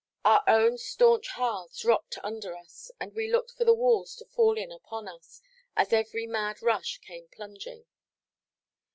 Our own staunch hearths rocked under us, and we looked for the walls to fall in upon us, as every mad rush came plunging.